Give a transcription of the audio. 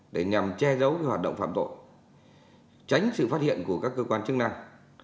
để nhằm che giấu hoạt động phạm tội tránh sự phát hiện của các cơ quan chức năng